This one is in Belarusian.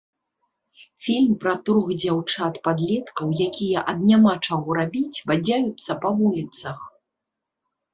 Фільм пра трох дзяўчат-падлеткаў, якія ад няма чаго рабіць бадзяюцца па вуліцах.